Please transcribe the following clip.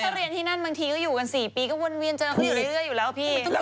ก็เรียนที่นั่นบางทีก็อยู่กัน๔ปีก็เวินเวียนเจอ